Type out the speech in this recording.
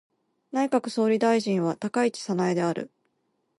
内閣総理大臣は高市早苗である。